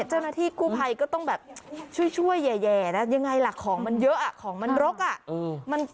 เจ้าหน้าที่กู้ภัยก็ต้องแบบช่วยแย่นะยังไงล่ะของมันเยอะของมันรกอ่ะ